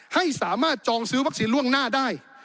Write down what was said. ให้สามารถจองซื้อวัคซีนล่วงหน้าได้